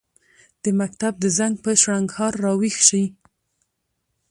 د مکتب د زنګ، په شرنګهار راویښ شي